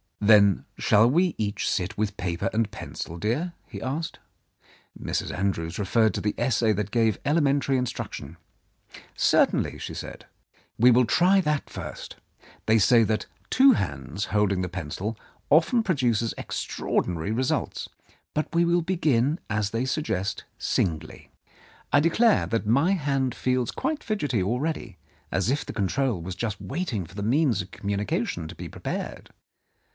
"Then shall we each sit with paper and pencil, dear? " he asked. Mrs. Andrews referred to the essay that gave elementary instruction. "Certainly," she said. "We will try that first. They say that two hands holding the pencil often produce extraordinary results, but we will begin, as 176 Mrs. Andrews's Control they suggest, singly. I declare that my hand feels quite fidgety already, as if the control was just waiting for the means of communication to be prepared."